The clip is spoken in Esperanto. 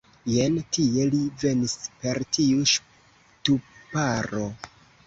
Jen tie, li venis per tiu ŝtuparo.